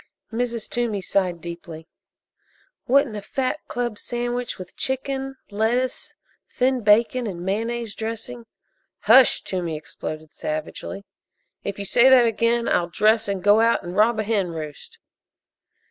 Mrs. Toomey sighed deeply. "Wouldn't a fat club sandwich with chicken, lettuce, thin bacon and mayonnaise dressing " "Hush!" Toomey exploded savagely. "If you say that again I'll dress and go out and rob a hen roost!"